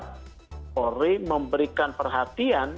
polri memberikan perhatian